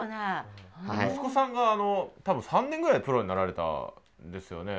息子さんがあの多分３年ぐらいでプロになられたんですよね。